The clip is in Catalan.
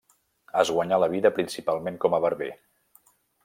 Es guanyà la vida principalment com a barber.